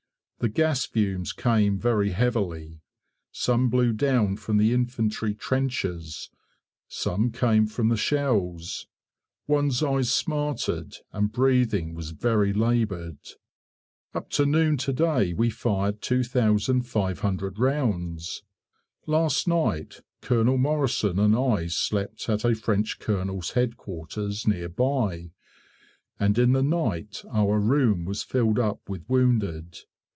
The gas fumes came very heavily: some blew down from the infantry trenches, some came from the shells: one's eyes smarted, and breathing was very laboured. Up to noon to day we fired 2500 rounds. Last night Col. Morrison and I slept at a French Colonel's headquarters near by, and in the night our room was filled up with wounded.